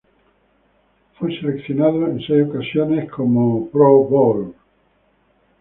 Fue seleccionado en seis ocasiones como Pro Bowl.